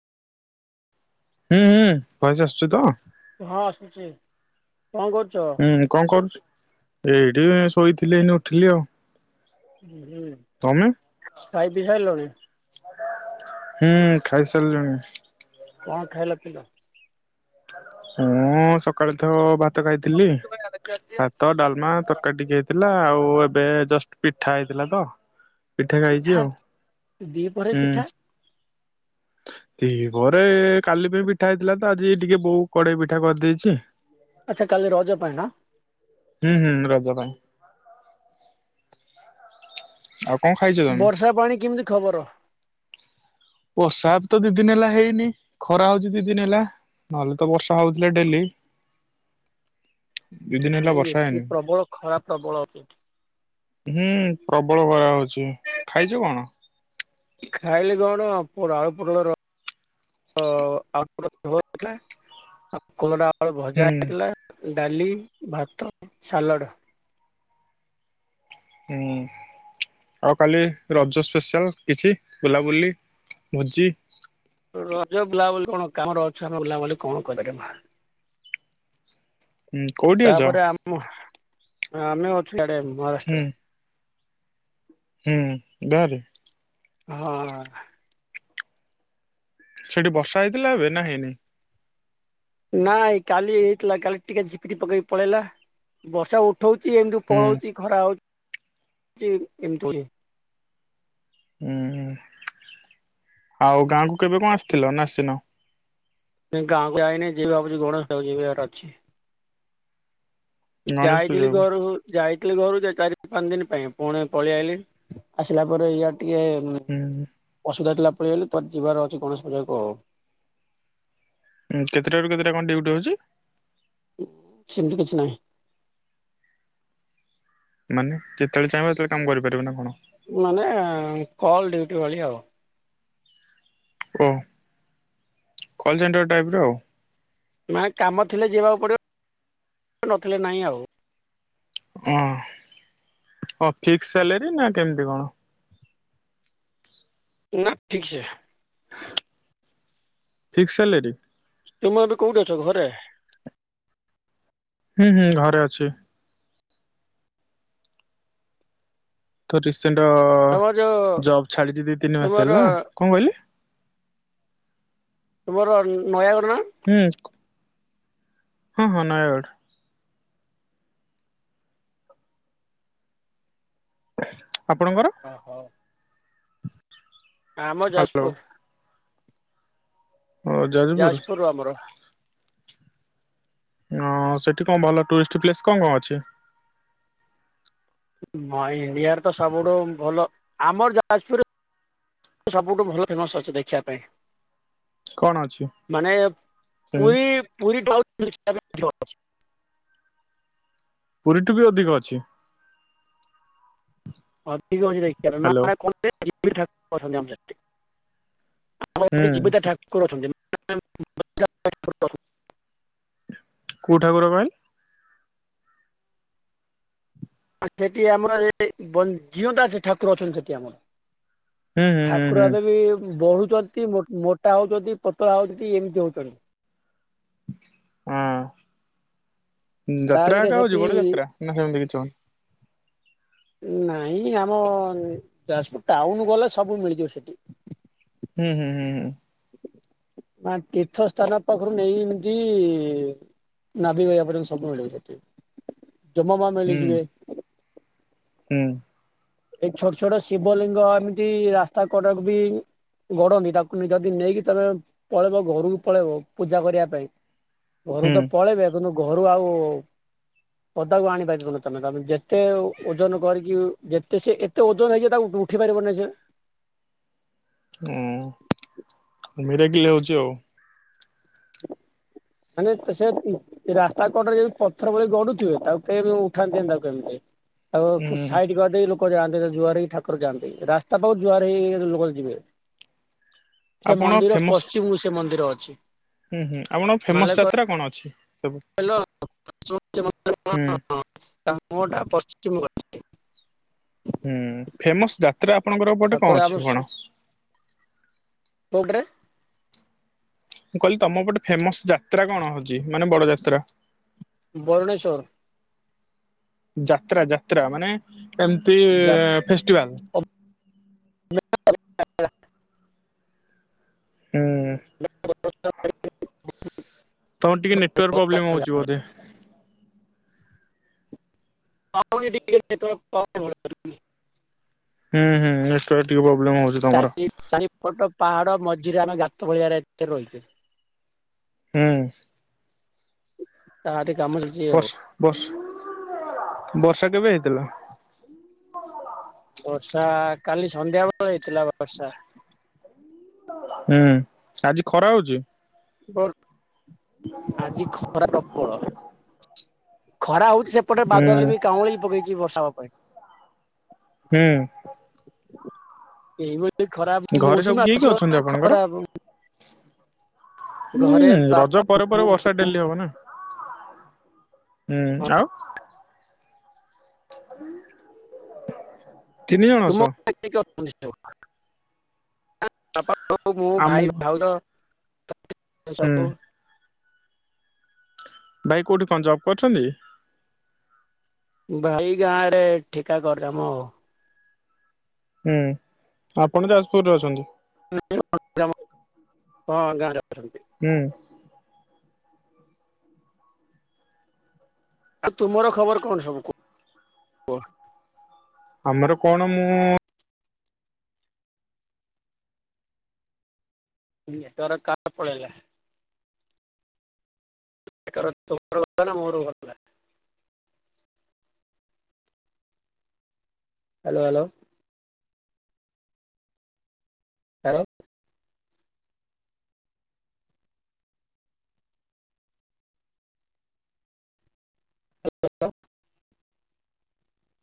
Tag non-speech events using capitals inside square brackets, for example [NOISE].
ହୁଁ ହୁଁ ଭଏସ ଆସୁଚି ତ ହଁ ଆସୁଛି କଣ କରୁଛ? ହୁଁ କଣ କରୁଚୁ ଏ ଏଠି ଶୋଇଥିଲେି ଏନି ଉଠିଲି ଆଉ ହୁଁ ତମେ? ଖାଇ ପିଇ ସାରିଲଣି ହୁଁ ଖାଇସାରିଲିଣି। କଣ ଖାଇଲପିଇଲ? ମୁଁ ସକାଳେ ତ ଭା ଭାତ ଖାଇଥିଲି ଭାତ ଡାଲମା ତରକାରୀ ଟିକେ ହେଇଥିଲା ଆଉ ଏବେ ଜଷ୍ଟ ପିଠା ହେଇଥିଲା ତ ଖାଇଛି ପିଠା ଆଉ। ଦିଇପ୍ରହରେ ପିଠା ଦିଇ ପହରେ କାଲି ପାଇଁ ପିଠା ହେଇଥିଲା ତ ଆଜି ଟିକେ ବୋଉ କଡେଇ ପିଠା କରିଦେଇଚି। ଆଚ୍ଛା କାଲି ରଜ ପାଇଁ ନା ହୁଁ ହୁଁ ରଜ ପାଇଁ ଆଉ କଣ ଖାଇଛ ତମେ? ବର୍ଷା ପାଣି କେମିତି ଖବର? ବର୍ଷା ବି ତ ଦିଇ ଦିନ ହେଲା ହେଇନି ଖରା ହଉଛି ଦିଇ ଦିନ ହେଲା ନହେଲେ ତ ବର୍ଷା ହଉଥିଲା ଡେଲି। ଦି ଦିନ ହେଲା ଏଇଁ ବର୍ଷା ଏଠି ହେଇନି। ପ୍ରବଳ ଖରା ପ୍ରବଳ ହୁଁ ପ୍ରବଳ ଖରା ହଉଛି ଖାଇଚୁ କଣ? ଖାାଇଲି କଣ ଆପ ଆଉପୁର ର ଆଉ କାଲରା ଫଳ ହୁଁ ଭଜା ହେଇଥିଲା। ଡାଲି, ଭାତ, ସାଲାଡ଼। ହୁଁ ଆଉ କାଲି ରଜ ସ୍ପେଶାଆଲ କିଛି ବୁଲାବୁଲି ଭୋଜି। ରଜ ବୁଲାବୁଲି କଣ କାମ ର ଅଛ ଆମେ ବୁଲାବୁଲି କଣ କରି ର ହୁଁ କୋଉଠି ଅଛ? ତାପରେ ଆମ ଆମେ ଅଛୁ ସ୍ୟାଡେ ହୁଁ ମହାରାଷ୍ଟ୍ରରେ। ହୁଁ ଗାଁରେ ହଁ। ସେଠି ବର୍ଷା ହେଇଥିଲା ଏବେ ନା ହେଇନି। ନାଇଁ କାଲି ହେଇଥିଲା କାଲି ଟିକେ ଝିପିରିି ପକେଇକି ପଳେଇଲା ବର୍ଷା ଉଠଉଛି ଏମିତି ହୁଁ ପଳଉଛି ଖରା ହଉ ଏମତି [UNINTELLIGIBLE] ହୁଁ ଆଉ ଗାଁକୁ କେବେ କଣ ଆସିଥିଲ ନା ଆସିନ। ନାଇ ଗାଁକୁ ଯାଇନି ଯିବା ଗଣେଶ ପୂଜା କୁ ଯିବାର ଅଛି। ଗଣେଶ ଯାଇଥିଲି ପୂଜାକୁ? ଘରକୁ ଯାଇ ଆଥିଲି ଘରୁ ଚାରି ପାଞ୍ଚ ଦିନ ପାଇଁ ପୁଣି ପଳେଇଆଇଲି ଆସିଲା ପରେ ଇଆ ଟିକେ ହୁଁ ଅସୁବିଧା ଥିଲା। ପଳେଇଲେ ତୋ ଯିବାର ଅଛି ଗଣେଶ ପୂଜା କୁ ଆଉ ହଁ କେତେଟ ରାରୁ କେତେଟା କଣ ଡ୍ୟୁଟି ହଉଛି। ସିମିତି କିଛି ନାହିଁ। ମାନେ ଯେତେବେଳେ ଚାହିଁବ ସେତେବେଳେ କାମ କରିପାରିବ ନା କଣ? ମାନେ କଲ ଡୁଟି ଭଳି ଆଉ। ଓ କଲ ସେଣ୍ଟର ଟାଇପ ର ଆଉ। ନା କାମ ଥିଲେ ଯିବାକୁ ପଡିବ ନଥିଲେ ନାଇଁ ଆଉ। ହଁ ହ ଫିକ୍ସି୍ ସାଲୋରୀ ନା କେମିତି କଣ? ନା ଫିକ୍ସି ଏ। ଫିକ୍ସି ସାଲେରୀ। ତୁମେ ଏବେ କୋଉଠି ଅଛ ଘରେ? ହୁଁ ହୁଁ ଘରେ ଅଛି। ତରିସ୍ତି। ତମର ଯୋଉ ସେଡ଼ଜବ ଛାଡିଛି ଦି ତିନି ମାସ ତୁମର ହେଲା କଣ କହିଲେ? ତୁମର ନୟାଗଡ଼ ନା? ହୁଁ ହଁ ହଁ ନୟାଗଡ଼। ହ [INAUDIBLE] ଆପଣଙ୍କର ଆମର ହ୍ୟାଲୋ ଯାଜପୁର। ଯାଜପୁର ଆମର। ହ ସେଠି କଣ ଭଲ ଟୁରିଷ୍ଟ ପ୍ଲେସ କଣ କଣ ଅଛି? ନ ଇଣ୍ଡିଆରେ ତ ସବୁଠୁ ଭଲ ଆମର ଯାଜପୁର ସବୁଠୁ ଭଲ ଫେମସ ଅଛି ଦେଖିବା ପାଇଁ। କଣ ଅଛି ମାନେ ପୁରୀ କେମିତି ପୁରୀ ଆଉ [UNINTELLIGIBLE] ପୁରୀ ଠୁ ବି ଅଧିକ ଅଛି। ଅ ଧିକ ଅଛିଦେଖ-। [UNINTELLIGIBLE] ହ୍ୟାଲୋ [UNINTELLIGIBLE] ଆମର ହୁଁ ଏଠି ଜୀବିତ ଠାକୁର ଅଛନ୍ତି। [UNINTELLIGIBLE] କୋଉ ଠାକୁର କହିଲ? ସେଠି ଆମର ବଞ୍ଚି ଜୀଅନ୍ତା ସେ ଠାକୁର ଅଛନ୍ତି ସେଠି ଆମର। ହୁଁ ହୁଁ ହୁଁ ଠାକୁର ହୁଁ ଦେବି ବହୁଚନ୍ତି ମୋ-ମୋଟା ହଉଚନ୍ତି ପତଳା ହଉଚନ୍ତି ଏମିତି ହଉଚନ୍ତି। ହଁ। ତା ଯାତ୍ରା ଦେହରେ ଏକା ସେଠି ହଉଛି ବଡ ଯାତ୍ରା ନା ସେମିତି କିଛି ହଉନି? ନାଇଁ ଆମ ଯାଜପୁର ଟାଉନ ଗଲେ ସବୁ ମିଳିଯିବ ସେଠି। ହୁଁ ହୁଁ ହୁଁ ହୁଁ। ନା ତୀର୍ଥ ସ୍ଥାନ ପାଖରୁ ନେଇ ଏମିତି ନାଭିିବା ପଯ୍ୟାନ୍ତ ସବୁ ମିଳିବ ସେଠି। ଯମ ମା ମିଳି ହୁଁ ଯିବେ। ହୁଁ। ଏଇ ଛୋଟ ଛୋଟ ଶିବଲିଙ୍ଗ ଏମିତି ରାସ୍ତା କଡକୁ ବି ଗଡନି ତାକୁ ଯଦି ନେଇକି ତମେ ପଳେଇବ ଘରକୁ ପଳେଇବ ପୂଜା କରିବା ପାଇଁ ଘରୁ ହୁଁ ତ ପଳେଇବେ କିନ୍ତୁ ଘରୁ ଆଉ ପଦାକୁ ଆଣିପାରିବନି ତମେ ତମେ ଯେତେ ଓଜନ କରିକି ଯେ ତେ ସେ ଏତେ ଓଜନ ହେଇଯିବ ତାକୁ ଉଠେଇ ପାରିବନି ସେ। ହୁଁ ହୁଁ ମିରାକିଲ ହଉଚି ଆଉ। ମାନେ ସେ ରାସ୍ତା କଡରେ ଯେମିତି ପଥର ଭଳି ଗଡୁଥିବେ ତାକୁ କେହି ଉଠାନ୍ତି ତାକୁ କେମିତି? ଆଉ କି ହୁଁ ସାଇଡ କରିଦେଇ ଲୋ ଲୋକ ଯାଆନ୍ତି ଜୁଆର ହେଇ ଠାକୁର ଯାଆନ୍ତି ରାସ୍ତା ପାଖରୁ ଜୁଆର ହେଇ ହେଇ ଲୋକ ଯିବେ। ସେ ଆପଣ ମନ୍ଦିର ଫେମସ ପଶ୍ଚିମକୁ ସେ ମନ୍ଦିର ଅଛି। ଅଛି। ହୁଁ ହୁଁ। ଆପଣ ଫେମସ୍ ଯାତ୍ରା କଣ ଅଛି? ସବୁ ହାଲୋ। [UNINTELLIGIBLE] ହୁଁ। କାମ ଟା ପଶ୍ଚିମ ଗଛରେ। ହୁଁ ଫେମସ୍ ଟା। ତ୍ରା ଆପଣଙ୍କର ଏପଟେ ଠାକୁର କଣ ଅଛି କଣ? କୋଉଡ୍ରେ? ମୁଁ କହିଲି ତମ ଏପଟେ ଫେମସ ଯାତ୍ରା କଣ ହଉ ଚି ମାନେ ବଡ ଯାତ୍ରା ବରୁଣେଶ୍ଵର ଯାତ୍ରା ଯାତ୍ରା ମାନେ। ଏମିତି ଯା ଫେଷ୍ଟିଭାଲ୍। ହୁଁ। [INAUDIBLE] ତମର ଟିକେ ନେଟୱାର୍କ ପ୍ରୋବ୍ଲେମ ହଉଚି ବୋଧେ? ପାଉନି [INAUDIBLE] ନେଟୱର୍କ [INAUDIBLE] ହୁଁ, ହୁଁ, ନେଟୱର୍କ ଟିକେ ରହୁ ଚା [UNINTELLIGIBLE] ଚା [UNINTELLIGIBLE] ଫଟ [INAUDIBLE] ପାହାଡ ମଝିରେ ଆମ ଗାତ ଭଳିଆର [UNINTELLIGIBLE] ରହିଛେ। ହୁଁ। ତାରି କାମ ଚାଲିଛି ଆଉ ବର୍ଷ-ବର୍ଷ- ବର୍ଷା କେବେ? ହେଲା। ବର୍ଷା କାଲି ସନ୍ଧ୍ୟା ବେଳ ହେଇଥିଲା ବର୍ଷା। ହୁଁ, ଆଜି ଖରା ହଉଚି? ବଲ ଆଜି ଖରା ପ୍ରବଳ। ଖରା ହଉ ସେପଟେ ହୁଁ ବାଦଲ ବି କାଉଁଳି ପକେଇଚି ବର୍ଷା ହ ହ [INAUDIBLE] ହୁଁ। ଏଇ [INAUDIBLE] ଖରାପ ଘରେ ସବୁ ମୌସୁମୀ କିଏ କିଏ ଆଉ [INAUDIBLE] ଅଛନ୍ତି ଆସ ଆପଣଙ୍କର? ଖରା [INAUDIBLE] ହୁଁ। ରଜ ପରେ ପରେ ବର୍ଷା ଡେଲି ହବ ନା। ହୁଁ, ଆଉ [INAUDIBLE] ତିନି ଜଣ ଅଛ? [INAUDIBLE] ହଉ ମୁଁ, ଭାଇ, ଆମକୁ ଭାଉଜ। ହୁଁ। [INAUDIBLE] ଭାଇ କୋଉଠି କଣ ଜବ୍ କରୁଚନ୍ତି? ଭାଇ ଗାଁ ରେ ଠିକା କରି କାମ । ହୁଁ, ଆଉ ଆପଣ ଯାଜପୁରରେ ଅଛନ୍ତି। ଜ [INAUDIBLE] ହଁ ଗାଁ ରେ ଅଛନ୍ତି। ହୁଁ। ଆଉ ତୁମର ଖବର କଣ ସବୁ କୁ କୁହ। ଆମର କଣ ମୁଁ ନେଟୱର୍କ କାର ପଳେଇଲା? ପି କର ତୋର କଟିଲା ନାଁ ମୋର କଟିଲା? Hello hello. ଆଉ? [UNINTELLIGIBLE]